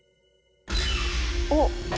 おっ。